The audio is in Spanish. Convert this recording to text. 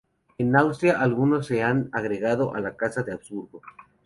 En Austria, algunos se han agregado a la Casa de Habsburgo.